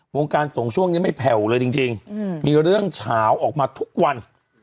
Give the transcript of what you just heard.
วงการส่งช่วงนี้ไม่แผ่วเลยจริงมีเรื่องเฉาออกมาทุกวัน